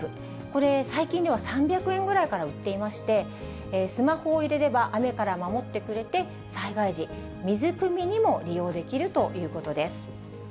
これ、最近では３００円ぐらいから売っていまして、スマホを入れれば雨から守ってくれて、災害時、水くみにも利用できるということです。